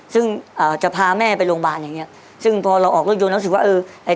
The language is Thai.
ซึ่งจะพาแม่ไปโรงบาลอย่างนี้ซึ่งพอเราออกรถโยนแล้วคือว่า